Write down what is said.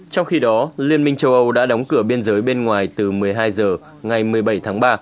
trong khi đó liên minh châu âu đã đóng cửa biên giới bên ngoài từ một mươi hai h ngày một mươi bảy tháng ba